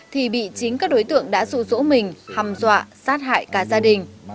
thì bị chính các đối tượng đã rũ rỗ mình hầm dọa sát hại cả gia đình